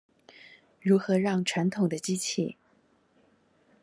如何讓傳統的機器